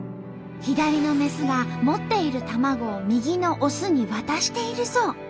左のメスが持っている卵を右のオスに渡しているそう。